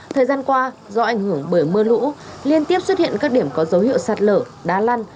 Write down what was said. thời gian qua do ảnh hưởng bởi mưa lũ liên tiếp xuất hiện các điểm có dấu hiệu sạt lở đá lăn